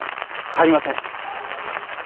帰りません。